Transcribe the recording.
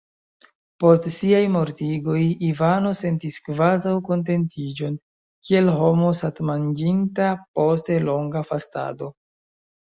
Post siaj mortigoj Ivano sentis kvazaŭ kontentiĝon, kiel homo satmanĝinta post longa fastado.